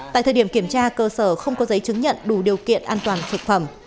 tại thời điểm kiểm tra cơ sở không có giấy chứng nhận đủ điều kiện an toàn thực phẩm